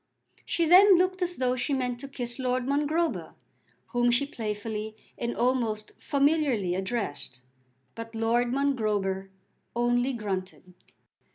She then looked as though she meant to kiss Lord Mongrober, whom she playfully and almost familiarly addressed. But Lord Mongrober only grunted.